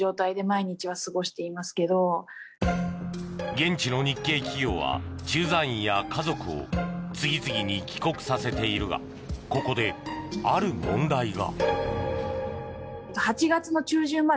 現地の日系企業は駐在員や家族を次々に帰国させているがここで、ある問題が。